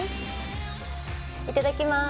いただきまーす。